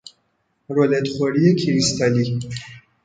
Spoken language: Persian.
رولت خوری کریستالی